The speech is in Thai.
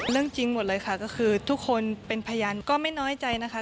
เรื่องจริงหมดเลยค่ะก็คือทุกคนเป็นพยานก็ไม่น้อยใจนะคะ